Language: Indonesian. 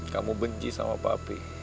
kamu benci sama papi